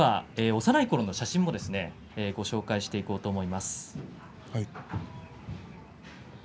幼いころの写真もご紹介していこうと思います。